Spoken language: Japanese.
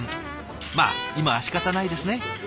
まあ今はしかたないですね。